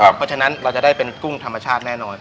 เพราะฉะนั้นเราจะได้เป็นกุ้งธรรมชาติแน่นอน